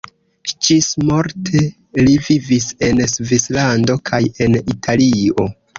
Ĝismorte li vivis en Svislando kaj en Italio.